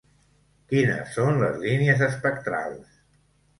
Quines són les línies espectrals?